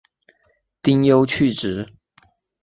丁忧去职。